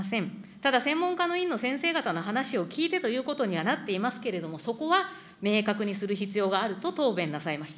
ただ専門家の委員の先生方の話を聞いてということにはなっていますけれども、そこは明確にする必要があると答弁なさいました。